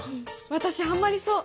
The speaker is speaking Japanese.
私ハマりそう！